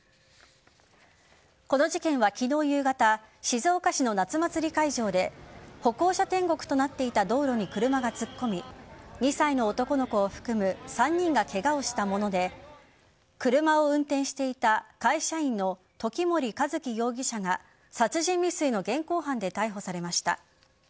この事件は昨日夕方静岡市の夏祭り会場で歩行者天国となっていた道路に車が突っ込み２歳の男の子を含む３人がケガをしたもので車を運転していた会社員の時森一輝容疑者が殺人未遂の現行犯で逮捕されました。